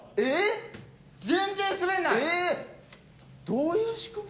どういう仕組み？